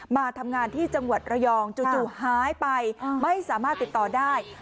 มาทำงานที่จังหวัดระยองจู่หายไปไม่สามารถติดต่อได้